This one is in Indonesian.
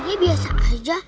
dia biasa aja